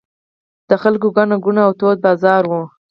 د خلکو ګڼه ګوڼې او تود بازار و.